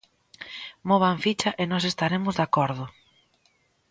Movan ficha e nós estaremos de acordo.